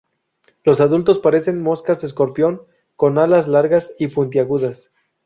Los adultos parecen moscas escorpión con alas largas y puntiagudas.